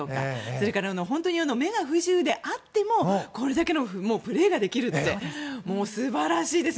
それから目が不自由であってもこれだけのプレーができるってもう素晴らしいです！